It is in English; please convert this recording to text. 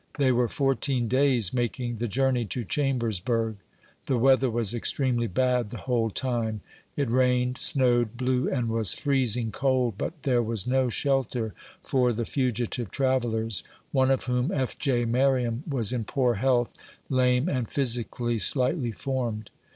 They were fourteen days making the journey to Chambersbutg. The weather was oxtremely bad the whole time; it rained, snowed, blew, and was freezing JOHN E. COOK. 57 cold; but there was no shelter for the fugitive travellers, one of whom, F. J. Merriara, was in poor health, lame, and physically slightly formed.